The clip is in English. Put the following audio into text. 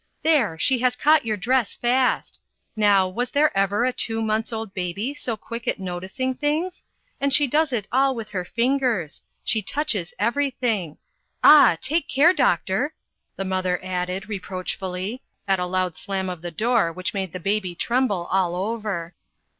There, she has caught your dress fast. Now, was there ever a two months' old baby so quick at noticing things? and she does it all with her fingers she touches everything; ah! take care, doctor," the mother added, reproachfully, at a loud slam of the door, which made the baby tremble all over.